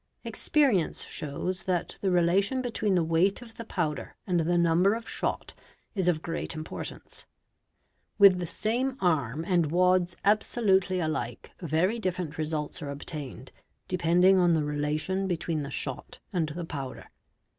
Experience shows that the relation between the weight of the powder and the number of shot is of great im portance; with the same arm and wads absolutely alike very different results are obtained, depending on the relation between the shot and the powder.